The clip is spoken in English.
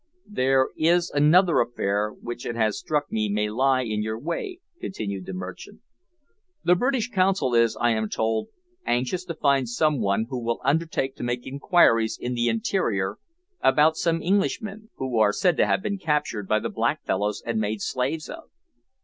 "There is another affair, which, it has struck me, may lie in your way," continued the merchant. "The British consul is, I am told, anxious to find some one who will undertake to make inquiries in the interior about some Englishmen, who are said to have been captured by the black fellows and made slaves of."